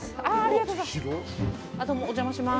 ありがとうございます。